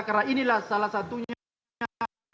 karena inilah salah satunya